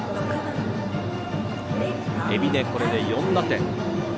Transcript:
海老根、これで４打点。